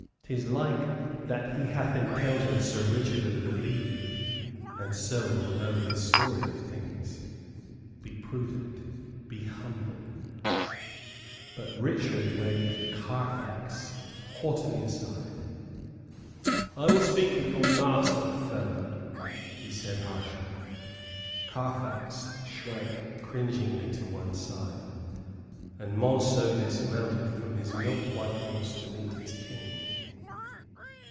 "'Tis like that he hath encountered Sir Richard of the Lee, and so will know his story of things. Be prudent, be humble." But Richard waved Carfax haughtily aside. "I will speak with your master, fellow," he said, harshly. Carfax shrank cringingly to one side, and Monceux dismounted from his milk white horse to meet his King.